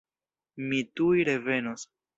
Mi tuj revenos!